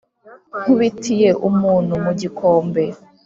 nkubitiye umuntu mu gikombe,